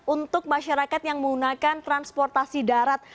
untuk masyarakat yang menggunakan transportasi darat